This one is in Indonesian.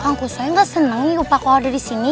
kang kusoy gak seneng nih opa kau ada disini